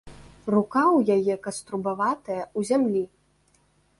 Рука ў яе каструбаватая, у зямлі.